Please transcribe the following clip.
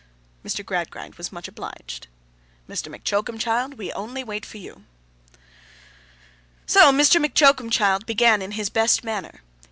Mr. Gradgrind was much obliged. 'Mr. M'Choakumchild, we only wait for you.' So, Mr. M'Choakumchild began in his best manner.